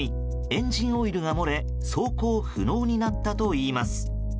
エンジンオイルが漏れ走行不能になったといいます。